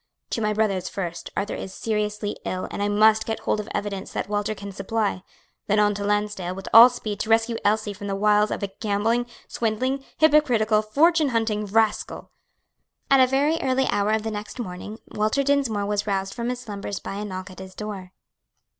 "To my brother's first Arthur is seriously ill, and I must get hold of evidence that Walter can supply then on to Lansdale with all speed to rescue Elsie from the wiles of a gambling, swindling, hypocritical, fortune hunting rascal!" At a very early hour of the next morning, Walter Dinsmore was roused from his slumbers by, a knock at his door.